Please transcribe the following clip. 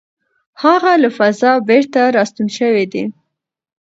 هغه له فضا بېرته راستون شوی دی.